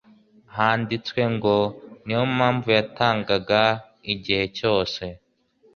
"Handitswe ngo" ni yo mpamvu yatangaga igihe cyose